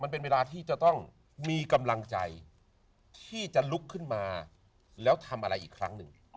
เวลาที่จะต้องมีกำลังใจที่จะลุกขึ้นมาแล้วทำอะไรอีกครั้งหนึ่ง